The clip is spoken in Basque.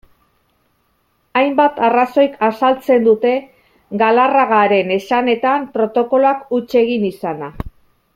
Hainbat arrazoik azaltzen dute, Galarragaren esanetan, protokoloak huts egin izana.